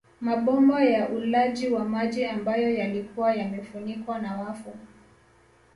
Mabomba ya ulaji wa maji ambayo yalikuwa yamefunikwa na wafu